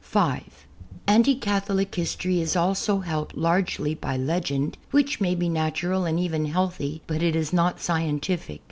(5) Anti Catholic history is also helped largely by legend, which may be natural and even healthy, but it is not scientific.